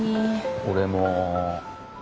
俺も。